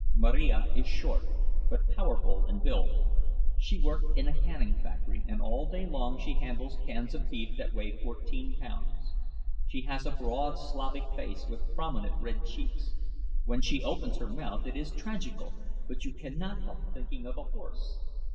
Marija is short, but powerful in build. She works in a canning factory, and all day long she handles cans of beef that weigh fourteen pounds. She has a broad Slavic face, with prominent red cheeks. When she opens her mouth, it is tragical, but you cannot help thinking of a horse.